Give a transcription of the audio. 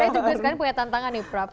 saya juga sekarang punya tantangan nih prap